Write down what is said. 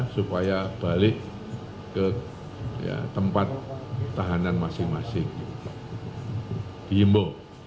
supaya balik ke tempat tahanan masing masing di jimbo